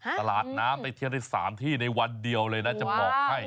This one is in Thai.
ตลาดน้ำไปเที่ยวได้๓ที่ในวันเดียวเลยนะจะบอกให้